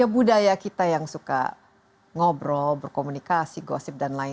dan ya budaya kita yang suka ngobrol berkomunikasi gosip dan lain lain